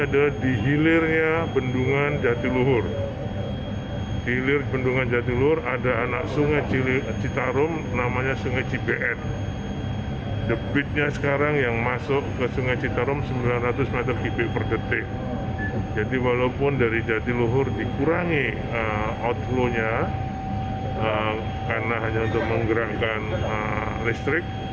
karena hanya untuk menggerakkan listrik